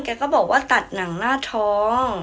ก็บอกว่าตัดหนังหน้าท้อง